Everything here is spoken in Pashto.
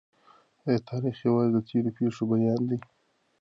آیا تاریخ یوازي د تېرو پېښو بیان دی؟